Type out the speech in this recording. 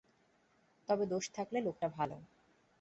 তবে দোষ থাকলেও লোকটা ভালো।